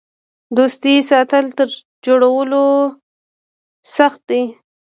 د دوستۍ ساتل تر جوړولو سخت دي.